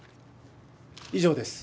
以上です。